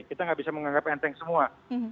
kita nggak bisa menganggap enteng semua